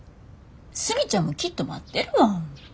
スミちゃんもきっと待ってるわ。